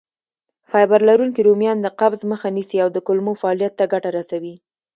فایبر لرونکي رومیان د قبض مخه نیسي او د کولمو فعالیت ته ګټه رسوي.